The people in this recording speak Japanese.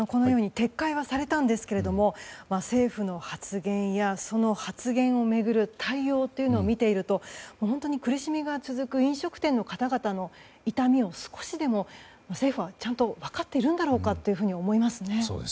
撤回はされたんですけれども政府の発言やその発言を巡る対応というのを見ていると、本当に苦しみが続く飲食店の方々の痛みを少しでも政府はちゃんと分かっているんだろうかと思いますね。